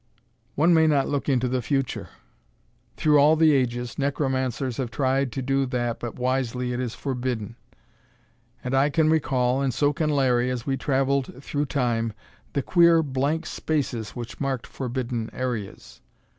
One may not look into the future! Through all the ages, necromancers have tried to do that but wisely it is forbidden. And I can recall, and so can Larry, as we traveled through Time, the queer blank spaces which marked forbidden areas.